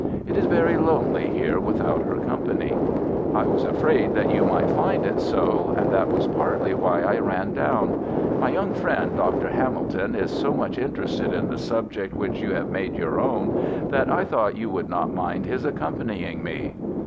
It is very lonely here without her company." "I was afraid that you might find it so, and that was partly why I ran down. My young friend, Dr. Hamilton, is so much interested in the subject which you have made your own, that I thought you would not mind his accompanying me."